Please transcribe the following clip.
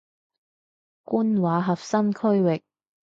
官話核心區域